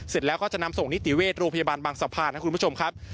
เสร็จแล้วก็จะนำส่งนิติเวชโรงพยาบาลบางสะพานนะคุณผู้ชมครับ